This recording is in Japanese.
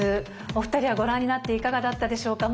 お二人はご覧になっていかがだったでしょうか？